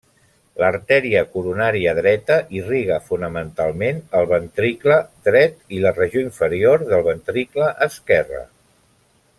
L'artèria coronària dreta irriga fonamentalment el ventricle dret i la regió inferior del ventricle esquerre.